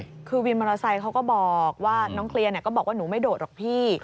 คือวินมอเตอร์ไซค์เขาก็บอกว่าน้องเคลียร์ก็บอกว่าหนูไม่โดดหรอกพี่